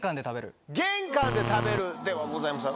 「玄関で食べる」ではございません